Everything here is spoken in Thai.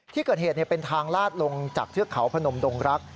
ที่เกิดเหตุเป็นทางลาดลงจากเทือกเขาพนมดงรัก